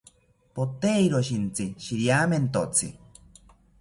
Poteiro shintsi shiriamentotzi